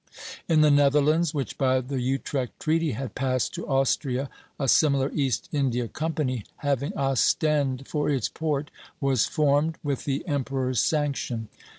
In the Netherlands, which by the Utrecht Treaty had passed to Austria, a similar East India company, having Ostend for its port, was formed, with the emperor's sanction.